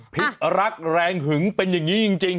พิษรักแรงหึงเป็นอย่างนี้จริง